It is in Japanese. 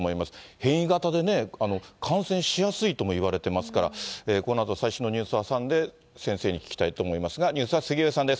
変異型でね、感染しやすいともいわれてますから、このあと最新のニュースを挟んで、先生に聞きたいと思いますが、ニュースは杉上さんです。